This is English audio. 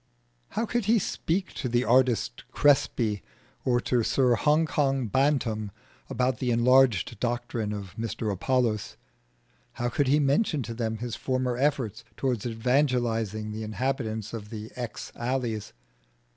How could he speak to the artist Crespi or to Sir Hong Kong Bantam about the enlarged doctrine of Mr Apollos? How could he mention to them his former efforts towards evangelising the inhabitants of the X. alleys?